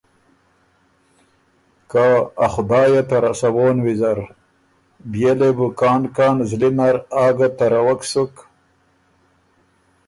که ”ا خدایه ته رسَوون ویزر“ بيې لې بُو کان کان زلی نر آ ګه تَرَوَک سُک۔